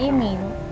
yang tidak sedikit